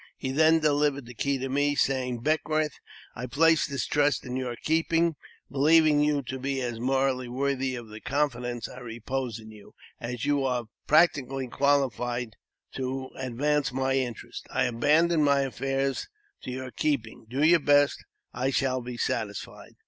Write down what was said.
He then delivered the key to me, saying, '* Beckwourth, I place this trust in your keeping, believing you to be as morally worthy of the confidence I repose in you, as you are practically bo , JAMES P. BECKWOUBTH. 353 qualified to advance my interests. I abandon my affairs to your keeping. Do your best, and I shall be satisfied."